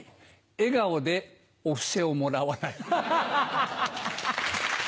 笑顔でお布施をもらわない。